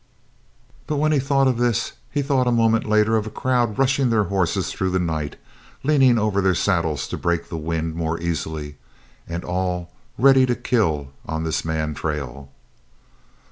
But when he thought of this he thought a moment later of a crowd rushing their horses through the night, leaning over their saddles to break the wind more easily, and all ready to kill on this man trail.